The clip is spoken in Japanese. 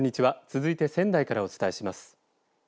続いて仙台からお伝えします。